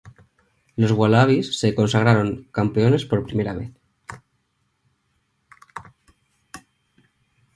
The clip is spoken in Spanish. Los Wallabies se consagraron campeones por primera vez.